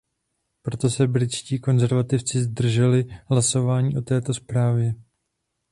Proto se britští konzervativci zdrželi hlasování o této zprávě.